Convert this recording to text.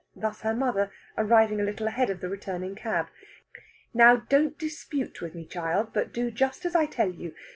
Thus her mother, arriving a little ahead of the returning cab. "Now, don't dispute with me, child, but do just as I tell you.